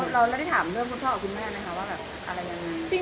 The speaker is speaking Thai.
เราไม่ได้ถามเรื่องคุณพ่อคุณแม่นะคะว่าแบบอะไรอย่างนี้